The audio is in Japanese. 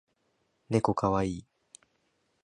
ねこかわいい